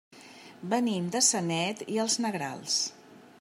Venim de Sanet i els Negrals.